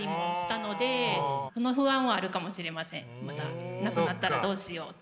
またなくなったらどうしようって。